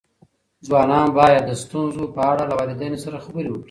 ځوانان باید د ستونزو په اړه له والدینو سره خبرې وکړي.